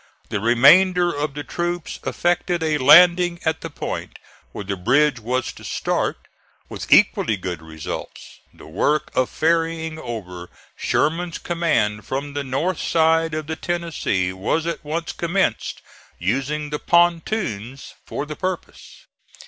The remainder of the troops effected a landing at the point where the bridge was to start, with equally good results. The work of ferrying over Sherman's command from the north side of the Tennessee was at once commenced, using the pontoons for the purpose.